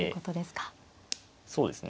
そうですね。